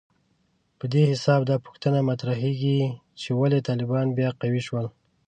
په دې حساب دا پوښتنه مطرحېږي چې ولې طالبان بیا قوي شول